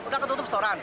udah ketutup storan